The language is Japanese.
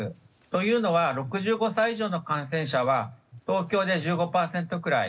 というのは６５歳以上の感染者は東京で１５％くらい。